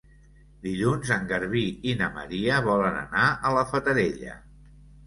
Dilluns en Garbí i na Maria volen anar a la Fatarella.